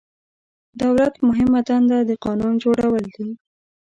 دولت مهمه دنده د قانون جوړول دي.